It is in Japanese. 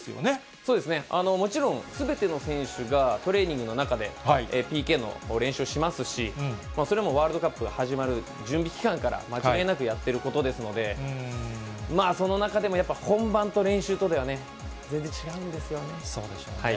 そうですね、もちろんすべての選手がトレーニングの中で、ＰＫの練習をしますし、それはもう、ワールドカップ始まる準備期間から、間違いなくやってることですので、まあ、その中でもやっぱり本番とそうでしょうね。